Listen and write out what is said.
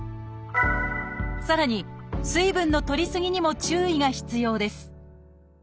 さらに水分のとりすぎにも注意が必要です